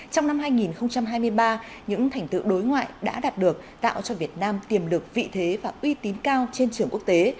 trong năm hai nghìn hai mươi ba những thành tựu đối ngoại đã đạt được tạo cho việt nam tiềm lực vị thế và uy tín cao trên trường quốc tế